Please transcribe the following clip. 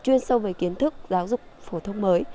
chuyên sâu về kiến thức giáo dục phổ thông mới